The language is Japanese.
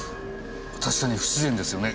確かに不自然ですよね